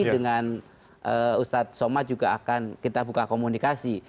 dengan ustadz somad juga akan kita buka komunikasi